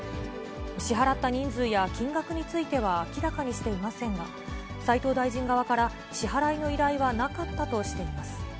支払った人数や金額については明らかにしていませんが、斉藤大臣側から支払いの依頼はなかったとしています。